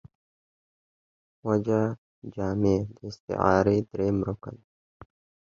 وجه جامع داستعارې درېیم رکن دﺉ.